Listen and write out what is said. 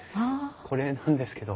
これなんですけど。